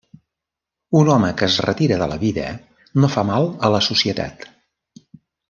Un home que es retira de la vida no fa mal a la societat.